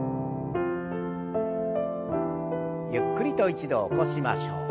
ゆっくりと一度起こしましょう。